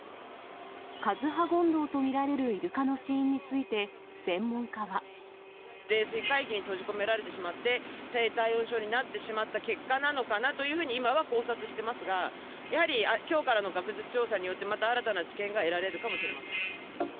カズハゴンドウと見られるイルカ冷水海域に閉じ込められてしまって、低体温症になってしまった結果なのかなというふうに、今は考察してますが、やはりきょうからの学術調査によって、また新たな知見が得られるかもしれません。